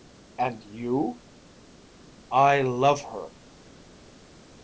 "And you " "I love her."